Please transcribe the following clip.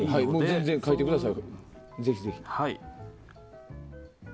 全然、描いてください。